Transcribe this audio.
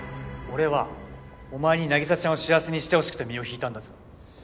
俺はお前に凪沙ちゃんを幸せにしてほしくて身を引いたんだぞ。